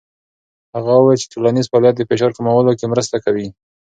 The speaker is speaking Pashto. هغه وویل چې ټولنیز فعالیت د فشار کمولو کې مرسته کوي.